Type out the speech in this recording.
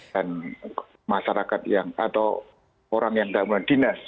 dan masyarakat yang atau orang yang tidak mau dinas